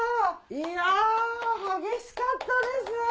いや激しかったです！